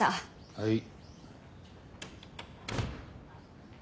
はい。